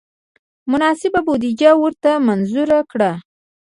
مناسبه بودجه ورته منظور کړه.